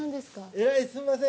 えらいすんません！